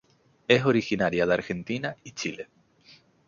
Es originaria de argentina y Chile.